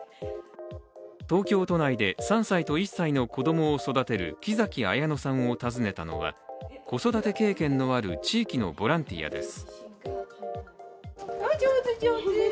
東京都内で３歳と１歳の子供を育てる木崎綾乃さんを訪ねたのは子育て経験のある地域のボランティアです。